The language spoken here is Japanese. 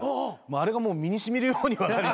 あれがもう身に染みるように分かりまして。